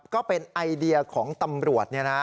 ก็เป็นไอเดียของตำรวจ